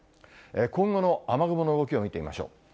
今後の雨雲の動きを見てみましょう。